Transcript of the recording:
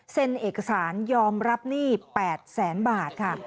เอกสารยอมรับหนี้๘แสนบาทค่ะ